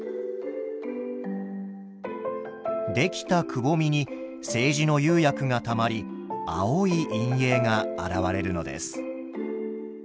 出来たくぼみに青磁の釉薬がたまり青い陰影が現れるのです。